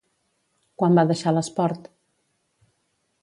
Quan va deixar l'esport?